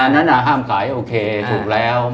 นั้นห้ามขายโอเคถูกแล้ว